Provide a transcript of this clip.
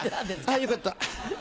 あぁよかった。